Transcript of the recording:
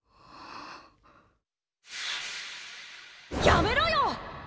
やめろよ！